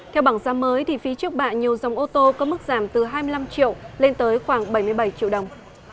theo bảng giá mới phí trước bạ nhiều dòng ô tô có mức giảm từ hai mươi năm triệu lên tới khoảng bảy mươi bảy triệu đồng